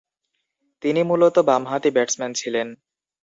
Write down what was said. তিনি মূলতঃ বামহাতি ব্যাটসম্যান ছিলেন।